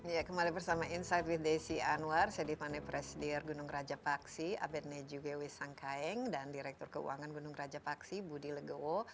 ya kembali bersama insight with desi anwar saya ditemani presiden gunung raja paksi abed neju gewi sangkaeng dan direktur keuangan gunung raja paksi budi legowo